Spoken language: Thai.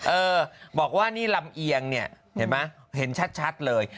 เออบอกว่านี่ลำเอียงเนี่ยเห็นไหมเห็นชัดเลย